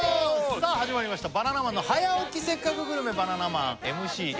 さあ始まりました「バナナマンの早起きせっかくグルメ！！」